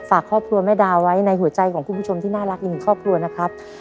ฝากครอบครัวแม่ดาไว้ในหัวใจของคุณผู้ชมที่น่ารักอีกหนึ่งครอบครัวนะครับ